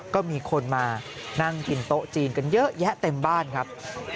ก็มีคนมานั่งกินโต๊ะจีนกันเยอะแยะเต็มบ้านครับ